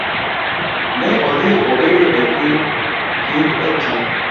Ne odhi kendo obet piny etie avacado kendo oneno wuode ka nyiero.